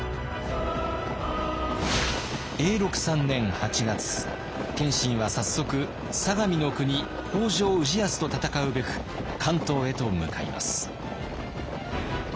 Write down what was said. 永禄３年８月謙信は早速相模国北条氏康と戦うべく関東へと向かいます。